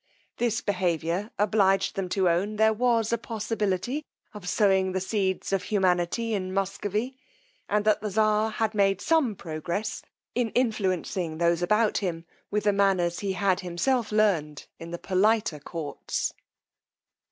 This behaviour obliged them to own there was a possibility of sowing the seeds of humanity in Muscovy, and that the czar had made some progress in influencing those about him with the manners he had himself learned in the politer courts.